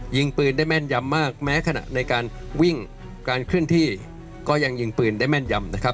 ยิงปืนได้แม่นยำมากแม้ขณะในการวิ่งการเคลื่อนที่ก็ยังยิงปืนได้แม่นยำนะครับ